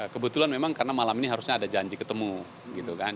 kebetulan memang karena malam ini harusnya ada janji ketemu gitu kan